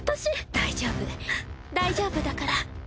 大丈夫大丈夫だから。